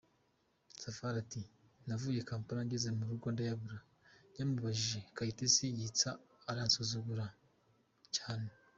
Safari ati :” Navuye Kampala ngeze murugo ndayabura , nyamubajije , Kayitesi, yitsa… ‘aransuzugura cyane’.